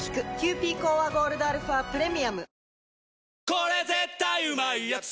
これ絶対うまいやつ」